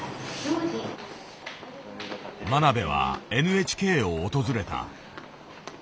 真鍋はＮＨＫを訪れた。